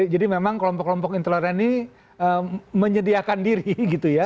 jadi memang kelompok kelompok intoleran ini menyediakan diri gitu ya